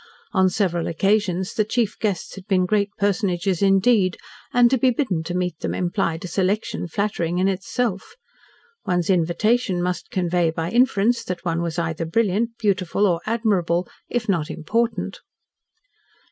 On several occasions the chief guests had been great personages indeed, and to be bidden to meet them implied a selection flattering in itself. One's invitation must convey by inference that one was either brilliant, beautiful, or admirable, if not important.